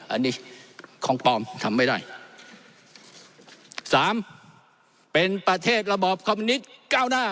อันนี้ของปลอมทำไม่ได้สามเป็นประเทศระบอบคอมมินิตก้าวหน้า